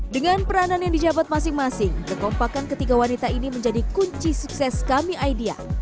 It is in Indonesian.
dengan peranan yang dijabat masing masing kekompakan ketiga wanita ini menjadi kunci sukses kami aidia